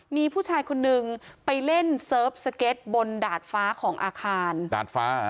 มีผู้ชายคนนึงไปเล่นเซิร์ฟสเก็ตบนดาดฟ้าของอาคารดาดฟ้า